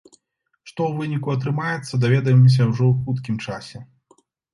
Што ў выніку атрымаецца, даведаемся ўжо ў хуткім часе.